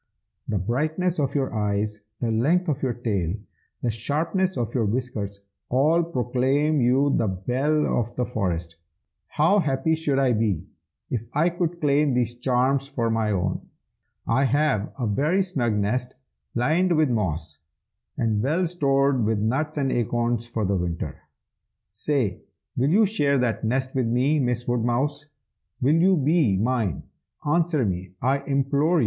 The brightness of your eyes, the length of your tail, the sharpness of your whiskers, all proclaim you the belle of the forest. How happy should I be, if I could claim these charms for my own! I have a very snug nest, lined with moss, and well stored with nuts and acorns for the winter. Say, will you share that nest with me? Miss Woodmouse, will you be mine? answer me, I implore you!'